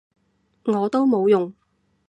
我都冇用